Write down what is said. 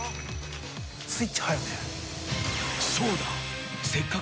［そうだ］